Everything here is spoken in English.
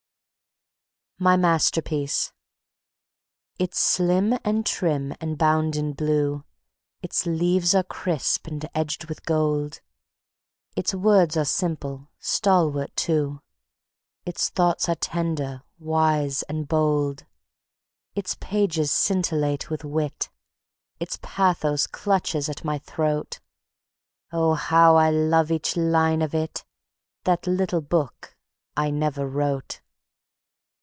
My Masterpiece It's slim and trim and bound in blue; Its leaves are crisp and edged with gold; Its words are simple, stalwart too; Its thoughts are tender, wise and bold. Its pages scintillate with wit; Its pathos clutches at my throat: Oh, how I love each line of it! That Little Book I Never Wrote.